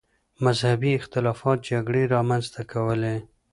مذهبي اختلافات جګړې رامنځته کولې.